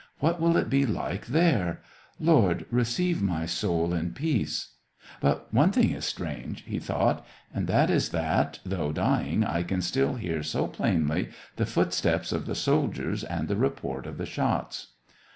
— "What will it be like there f Lord, receive my soul in peace !— But one thing is strange," he thought, — "and that is that, though dying, I can still hear so plainly the footsteps of the soldiers and the report of the shots."